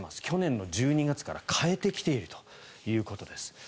去年の１２月から変えてきているということです。